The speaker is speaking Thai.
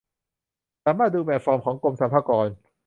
สามารถดูแบบฟอร์มของกรมสรรพากร